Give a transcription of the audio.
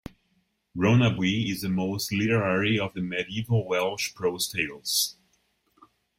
"Rhonabwy" is the most literary of the medieval Welsh prose tales.